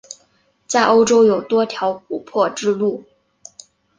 在欧洲有多条琥珀之路。